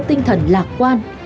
tinh thần lạc quan